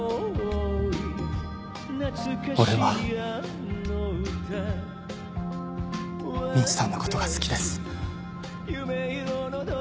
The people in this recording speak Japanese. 俺はみちさんのことが好きです。